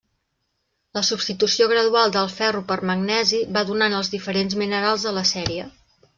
La substitució gradual del ferro per magnesi va donant els diferents minerals de la sèrie.